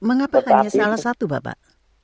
mengapa hanya salah satu bapak